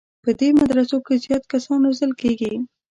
په دې مدرسو کې زیات کسان روزل کېږي.